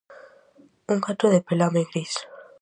Un gato de pelame gris.